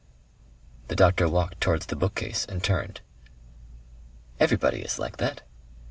The doctor walked towards the bookcase and turned. "Everybody is like that...